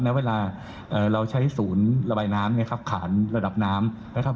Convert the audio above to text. ณเวลาเราใช้ศูนย์ระบายน้ำเนี่ยครับขานระดับน้ำนะครับ